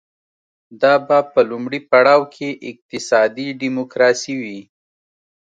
دا به په لومړي پړاو کې اقتصادي ډیموکراسي وي